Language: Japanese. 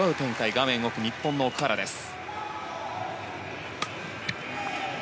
画面奥、日本の奥原です。